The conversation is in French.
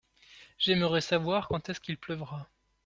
J’aimerais savoir quand est-ce qu’il pleuvra.